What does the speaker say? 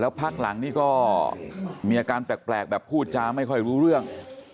พักหลังนี่ก็มีอาการแปลกแบบพูดจาไม่ค่อยรู้เรื่อง